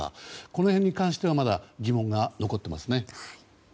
この辺に関してはまだ疑問が残っていますね。